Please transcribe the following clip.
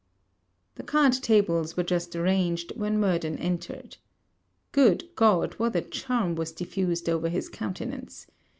The card tables were just arranged, when Murden entered. Good God, what a charm was diffused over his countenance!